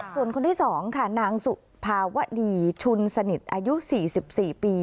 ส่วนคนสผาวดีกรรมชุนสนิท๑๐๔ปี